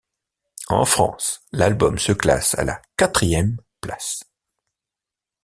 En France, l'album se classe à la quatrième place.